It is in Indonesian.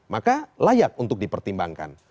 maka layak untuk dipertimbangkan